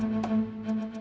dek aku mau ke sana